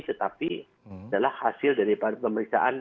tetapi adalah hasil dari pemeriksaan